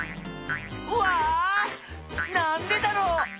わあなんでだろう？